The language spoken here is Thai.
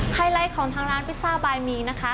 ไลท์ของทางร้านพิซซ่าบายมีนะคะ